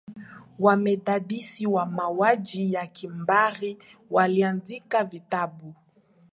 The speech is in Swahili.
wamedadisi wa mauaji ya kimbari waliandika vitabu